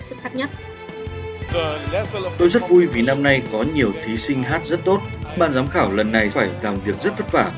xuất sắc nhất tôi rất vui vì năm nay có nhiều thí sinh hát rất tốt bạn giám khảo lần này phải làm việc rất vất vả